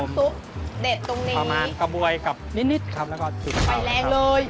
เด็ดตรงนี้ประมาณกระบวยกับนิดครับแล้วก็ถืกเบาเลยครับไม่แล้งเลย